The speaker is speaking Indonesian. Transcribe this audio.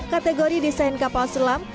kategori desain kapal selam